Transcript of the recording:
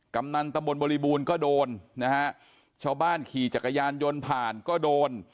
กำนันตะบนบริบูรณ์ก็โดนนะฮะชาวบ้านขี่จักรยานยนต์ผ่านก็โดน